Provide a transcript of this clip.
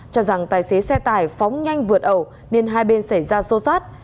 cho rằng tài xế xe tải phóng nhanh vượt ẩu nên hai bên xảy ra xô xát